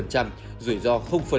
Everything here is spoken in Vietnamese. rủi ro